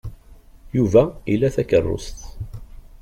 Yuba ila takeṛṛust.